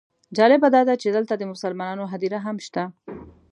جالبه داده چې دلته د مسلمانانو هدیره هم شته.